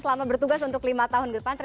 selama bertugas untuk lima tahun ke depan